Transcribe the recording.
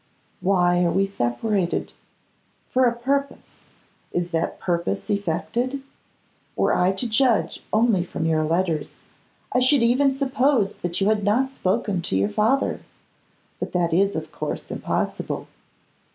Why are we separated? For a purpose. Is that purpose effected? Were I to judge only from your letters, I should even suppose that you had not spoken to your father; but that is, of course, impossible.